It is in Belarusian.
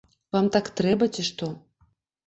Вам так трэба, ці што?